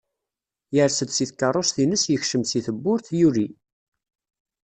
Yers-d si tkerrust-ines yekcem si tewwurt, yuli.